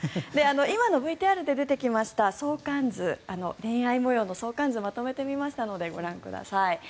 今のＶＴＲで出てきました恋愛模様の相関図をまとめてみましたのでご覧ください。